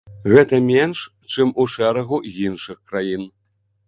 Гэта менш, чым у шэрагу іншых краін.